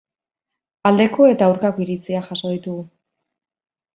Aldeko eta aurkako iritziak jaso ditugu.